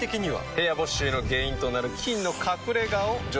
部屋干し臭の原因となる菌の隠れ家を除去できますぞ。